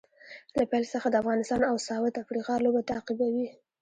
له پیل څخه د افغانستان او ساوت افریقا لوبه تعقیبوم